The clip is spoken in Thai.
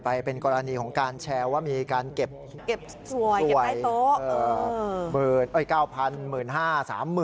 ไปเป็นกรณีของการแชร์ว่ามีการเก็บสวย